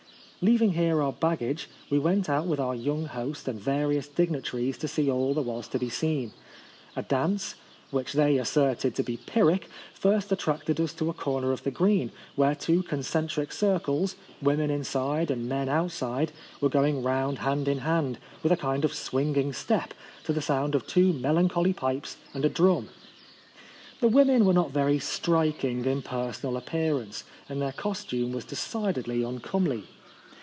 Leaving here our baggage, we went out with our young host and various dignitaries to see all that was to be seen. A dance, which they asserted to be Pyrrhic, first attracted us to a corner of the green, where two concentric circles, women inside and men outside, were going round hand in hand, with a kind of swinging step, to the sound of two melancholy pipes and a drum. The women were not very striking in personal appearance, and their costume was decidedly un comely.